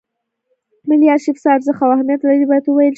ملي ارشیف څه ارزښت او اهمیت لري باید وویل شي.